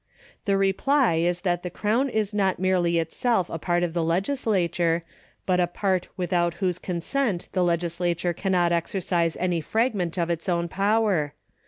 The reply is that the Crown is not merely itself a part of the legislature, but a part without whose consent the legislature cannot exercise any fragment of its own power.